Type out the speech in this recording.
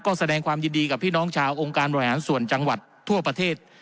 ก็แสดงความยินดีกับพี่น้องชาวองค์การบริหารส่วนจังหวัดทั่วประเทศ